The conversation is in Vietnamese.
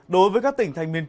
đối với các tỉnh thành miền bắc